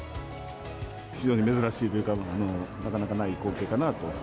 非常に珍しいというか、なかなかない光景かなと。